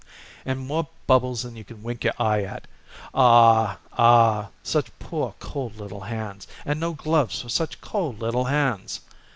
And more bubbles than you can wink your eye at. Aw aw, such poor cold little hands, and no gloves for such cold little hands!